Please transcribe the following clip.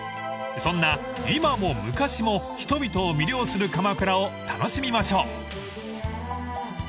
［そんな今も昔も人々を魅了する鎌倉を楽しみましょう］